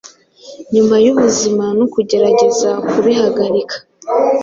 nyuma yubuzima no kugerageza kubihagarika